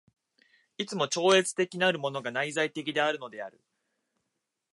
いつも超越的なるものが内在的であるのである。